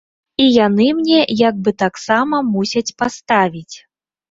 І яны мне як бы таксама мусяць паставіць.